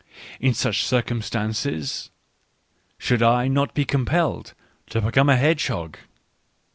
In such circumstances should I not be compelled to become a hedgehog